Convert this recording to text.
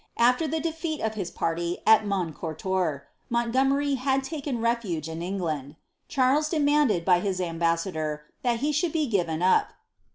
After the defeat of his party at Moncortour, Montgomeri had taken refuge in Eng land. Charles demanded, by his ambassador, that he should be gi^en up.